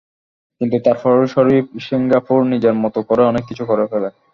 কিন্তু তারপরও শরিফ সিঙ্গাপুরি নিজের মতো করে অনেক কিছু করে ফেলে।